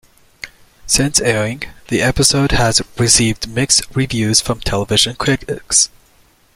Since airing, the episode has received mixed reviews from television critics.